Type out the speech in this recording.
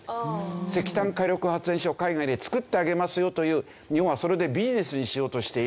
石炭火力発電所を海外で造ってあげますよという日本はそれでビジネスにしようとしている。